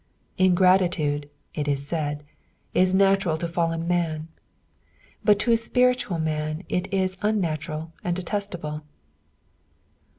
■■ Ingratitude," it is said, " is natural to fallen man,'' but to spiritual men it is nnnatural and detestable.